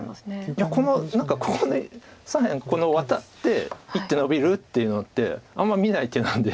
いやこのここに左辺ワタって１手のびるっていうのってあんまり見ない手なんで。